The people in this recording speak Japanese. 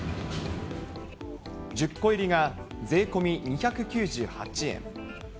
１０個入りが税込み２９８円。